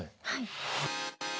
はい。